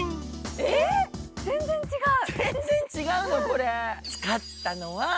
えっ、全然違う。